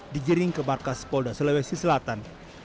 digiring ke markas polda sulawesi selatan